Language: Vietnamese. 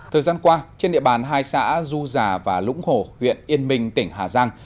thời gian qua trên địa bàn hai xã du già và lũng hồ huyện yên minh tỉnh hà giang